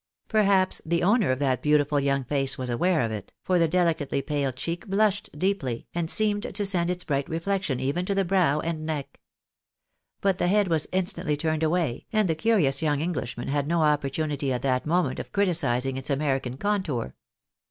Perhaps the owner of that beautiful young face was aware of it, for the delicately pale cheek bluslied deeply, and seemed to send its bright reflection even to the brow and neck. But the head was instantly turned away, and the curious young Englishman had no opportunity at that moment of criticising its American contour.